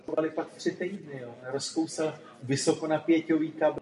Některé druhy této čeledi jsou pěstovány v tropech celého světa.